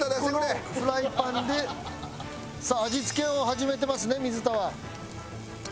もう１個のフライパンでさあ味付けを始めてますね水田は。